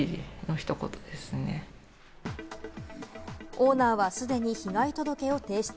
オーナーはすでに被害届を提出。